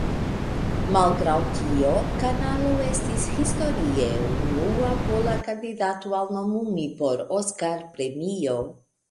Malgraŭ tio "Kanalo" estis historie unua pola kandidato al nomumi por Oskar-premio.